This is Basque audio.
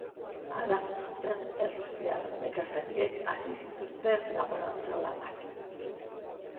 Hara jo zuten errusiar nekazariek hasi zituzten laborantza-lanak.